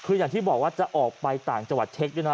คืออย่างที่บอกว่าจะออกไปต่างจังหวัดเช็คด้วยนะ